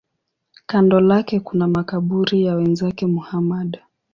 Kando lake kuna makaburi ya wenzake Muhammad.